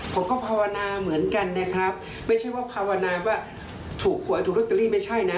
ผมก็ภาวนาเหมือนกันนะครับไม่ใช่ว่าภาวนาว่าถูกโรเตอรี่ไม่ใช่นะ